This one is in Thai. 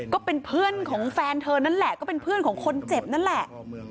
ก็เป็นเพื่อนของแฟนเธอนั่นแหละก็เป็นเพื่อนของคนเจ็บนั่นแหละ